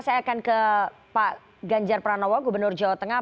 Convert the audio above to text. saya akan ke pak ganjar pranowo gubernur jawa tengah